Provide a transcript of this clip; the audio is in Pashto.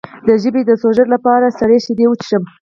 د ژبې د سوزش لپاره سړې شیدې وڅښئ